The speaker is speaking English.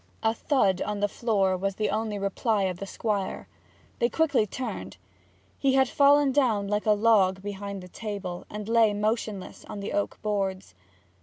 A thud on the floor was the only reply of the Squire. They quickly turned. He had fallen down like a log behind the table, and lay motionless on the oak boards.